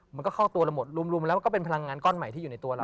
มันก็เข้าตัวเราหมดรุมแล้วก็เป็นพลังงานก้อนใหม่ที่อยู่ในตัวเรา